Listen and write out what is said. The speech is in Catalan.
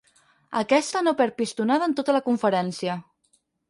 Aquesta no perd pistonada en tota la conferència.